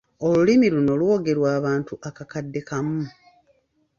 Olulimi luno lwogerwa abantu akakadde kamu.